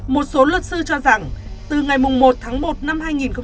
một số luật sư cho rằng từ ngày một tháng một năm hai nghìn một mươi hai